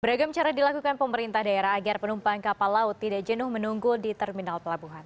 beragam cara dilakukan pemerintah daerah agar penumpang kapal laut tidak jenuh menunggu di terminal pelabuhan